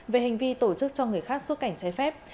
về hành vi tổ chức cho người khác xuất cảnh trái phép